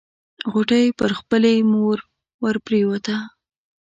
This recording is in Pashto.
غوټۍ پر خپلې مور ورپريوته.